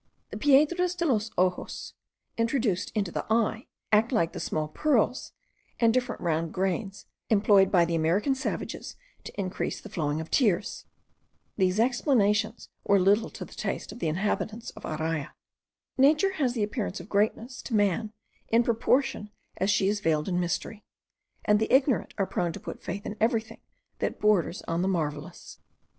The piedras de los ojos, introduced into the eye, act like the small pearls, and different round grains employed by the American savages to increase the flowing of tears. These explanations were little to the taste of the inhabitants of Araya. Nature has the appearance of greatness to man in proportion as she is veiled in mystery; and the ignorant are prone to put faith in everything that borders on the marvellous.